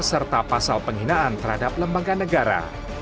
serta pasal penghinaan terhadap lembaga negara